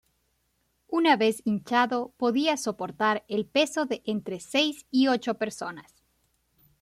Una vez hinchado, podía soportar el peso de entre seis y ocho personas.